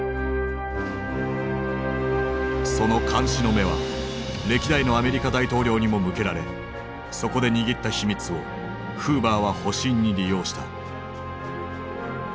その監視の目は歴代のアメリカ大統領にも向けられそこで握った秘密をフーバーは保身に利用した。